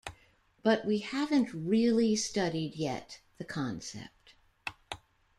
But we haven't really studied yet the concept.